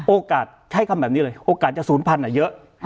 โอกาสใช้คำแบบนี้เลยโอกาสจะศูนย์พันธุ์เยอะ